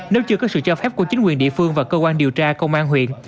nếu chưa có sự cho phép của chính quyền địa phương và cơ quan điều tra công an huyện